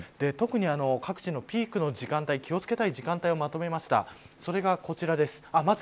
特に各地のピークの時間帯気を付けたい時間帯をまとめました。